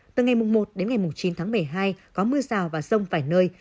từ ngày mùng một đến ngày mùng chín tháng một mươi hai có mưa rào và rông vài nơi